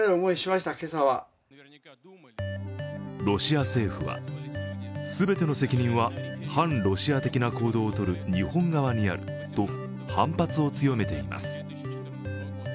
ロシア政府は全ての責任は反ロシア的な行動を取る日本側にあると反発を強めています。